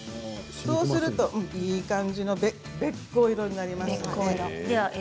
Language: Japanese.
そうすると、いい感じのべっこう色になります。